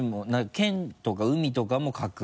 県とか海とかも架空？